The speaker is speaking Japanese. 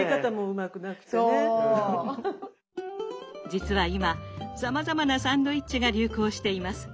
実は今さまざまなサンドイッチが流行しています。